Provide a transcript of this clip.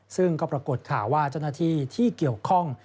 ซึ่งก็ปรากฏข่าวว่าเจ้าหน้าที่ที่เกี่ยวข้อง